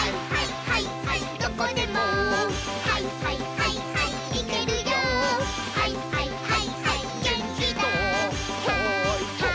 「はいはいはいはいマン」